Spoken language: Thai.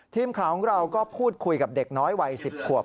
ทีมข่าวของเราก็พูดคุยกับเด็กน้อยวัย๑๐ขวบ